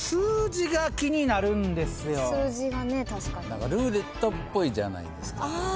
何かルーレットっぽいじゃないですか。